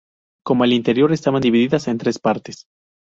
Como el interior, estaban divididas en tres partes.